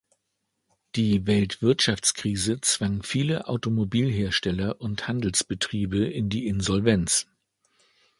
Die Weltwirtschaftskrise zwang viele Automobilhersteller und Handelsbetriebe in die Insolvenz.